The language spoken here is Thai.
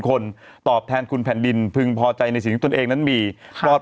คนตอบแทนคุณแผ่นดินพึงพอใจในสิ่งที่ตนเองนั้นมีปลอด